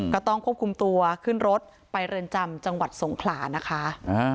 ก็ต้องควบคุมตัวขึ้นรถไปเรือนจำจังหวัดสงขลานะคะ